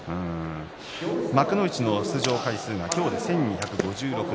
幕内の出場回数が今日で１２５６